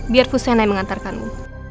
biar fusena yang mengantarkanmu